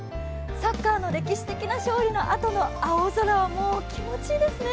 サッカーの歴史的な勝利のあとの青空は、もう気持ちいいですね。